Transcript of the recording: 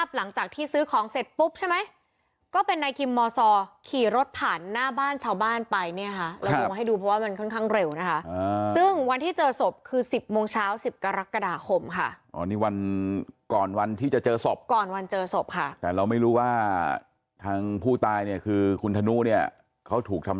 หลังจากที่คิมมอสรและซอมมิวร่วมกันก่อเหตุ